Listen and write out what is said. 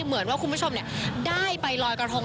เหมือนว่าคุณผู้ชมได้ไปลอยกระทง